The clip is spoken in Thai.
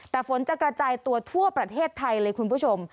แต่ฝนจะกระจายตัวทั่วประเทศไทยเลยคุณผู้ชม